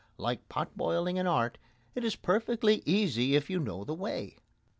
Like pot boiling in art, it is perfectly easy if you know the way.